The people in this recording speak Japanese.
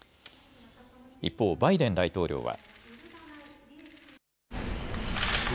一方、バイデン大統領は。